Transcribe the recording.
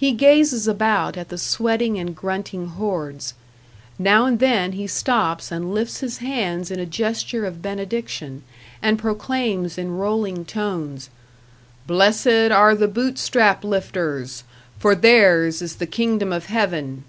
Ha gazes about at the sweating and grunting hordes; now and then he stops and lifts his hands in a gesture of benediction, and proclaims in rolling tones, "Blessed are the Bootstrap lifters, for theirs is the kingdom of Heaven."